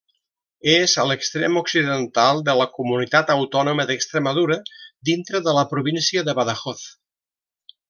És a l'extrem occidental de la Comunitat Autònoma d'Extremadura, dintre de la província de Badajoz.